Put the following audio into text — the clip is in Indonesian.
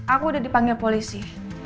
aku udah dipanggil polisi